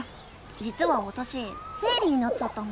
じつはわたし生理になっちゃったの。